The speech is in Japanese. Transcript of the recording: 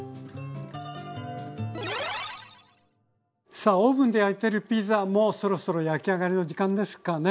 さあオーブンで焼いてるピザもそろそろ焼き上がりの時間ですかね？